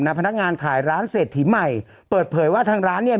พนักงานขายร้านเศรษฐีใหม่เปิดเผยว่าทางร้านเนี่ย